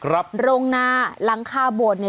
โรงนาหลังคาบวน